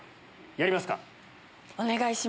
やりますか？